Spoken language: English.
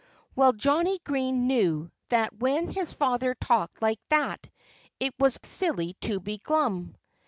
Well, Johnnie Green knew that when his father talked like that it was silly to be glum.